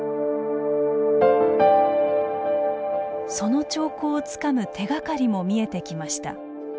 その兆候をつかむ手がかりも見えてきました。